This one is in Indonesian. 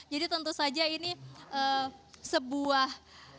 jadi tentu saja ini sebuah